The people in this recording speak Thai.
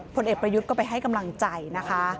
ผลเอกประยุทธ์ก็ไปให้กำลังใจนะคะ